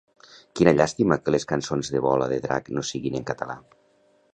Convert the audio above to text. Quina llàstima que les cançons de Bola de Drac no siguin en català.